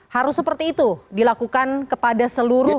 harus seperti itu dilakukan kepada seluruh